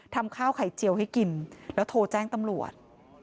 ทำข้าวไข่เจียวให้กินแล้วโทรแจ้งตำรวจ